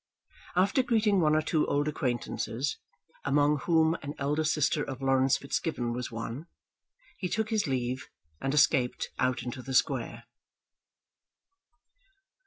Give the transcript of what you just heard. After greeting one or two old acquaintances, among whom an elder sister of Laurence Fitzgibbon was one, he took his leave and escaped out into the square.